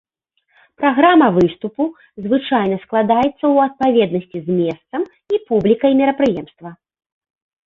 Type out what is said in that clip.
Праграма выступу звычайна складаецца ў адпаведнасці з месцам і публікай мерапрыемства.